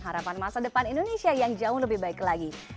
selamat meliput selamat bekerja lagi